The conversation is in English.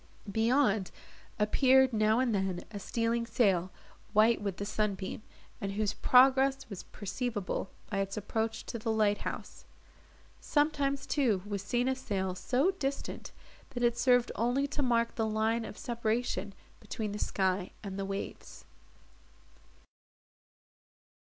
Beyond, appeared, now and then, a stealing sail, white with the sunbeam, and whose progress was perceivable by its approach to the light house. Sometimes, too, was seen a sail so distant, that it served only to mark the line of separation between the sky and the waves.